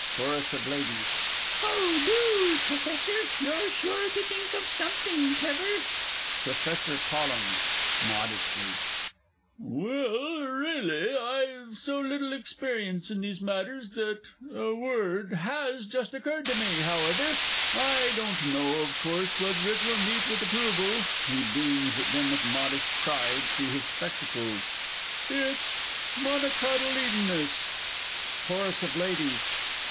CHORUS OF LADIES. Oh, do, Professor you're sure to think of something clever! PROFESSOR POLLEN (modestly). Well, really, I've so little experience in these matters that A Word has just occurred to me, however; I don't know, of course, whether it will meet with approval (he beams at them with modest pride through his spectacles) it's "Monocotyledonous." CHORUS OF LADIES.